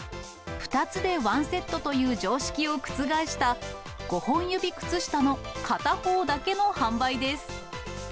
２つでワンセットという常識を覆した、５本指靴下の片方だけの販売です。